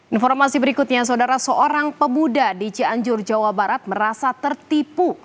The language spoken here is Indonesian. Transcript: informasi berikutnya saudara seorang pemuda di cianjur jawa barat merasa tertipu